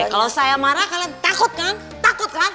kalau saya marah kalian takut kan